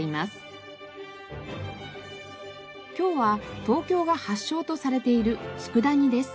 今日は東京が発祥とされている佃煮です。